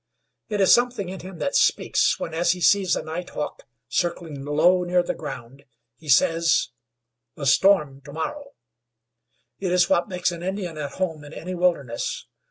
It is something in him that speaks when, as he sees a night hawk circling low near the ground, he says: "A storm to morrow." It is what makes an Indian at home in any wilderness.